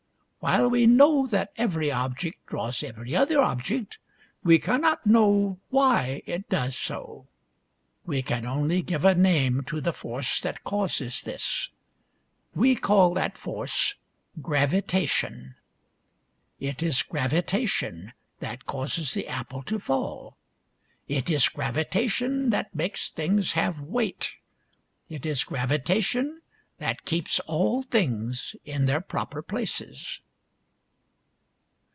" While we know that every object draws every other object, we cannot know why it does so. We can only give a name to the force that causes this. " We call that force gravitation. " It is gravitation that causes the apple to fall. " It is gravitation that makes things have weight. " It is gravitation that keeps all things in their proper places."